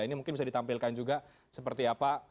ini mungkin bisa ditampilkan juga seperti apa